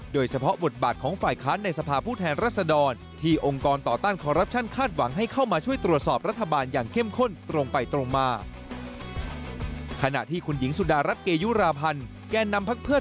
โดยเฉพาะวดบาตของฝ่ายค้าน